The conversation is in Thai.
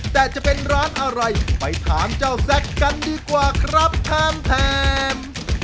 แต่จะเป็นร้านอะไรไปถามเจ้าแซคกันดีกว่าครับแพม